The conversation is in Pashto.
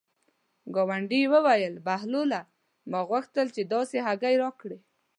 ګاونډي یې وویل: بهلوله ما غوښتل چې داسې هګۍ راکړې.